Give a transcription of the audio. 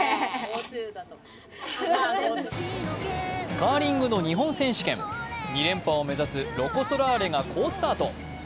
カーリングの日本選手権２連覇を目指すロコ・ソラーレが好スタート。